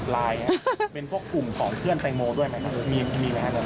และเป็นพวกกลุ่มของเพื่อนแตงโมต้วยไหมคุณมีไหม